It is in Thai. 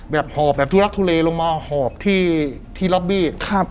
หอบแบบทุลักทุเลลงมาหอบที่ล็อบบี้